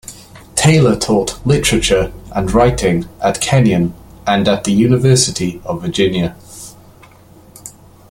Taylor taught literature and writing at Kenyon and at the University of Virginia.